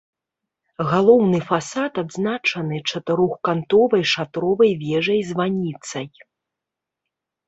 Галоўны фасад адзначаны чатырохкантовай шатровай вежай-званіцай.